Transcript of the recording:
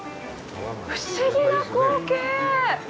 不思議な光景。